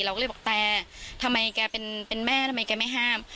เราก็เลยบอกแต่ทำไมแกเป็นแม่ทำไมแกไม่ห้าม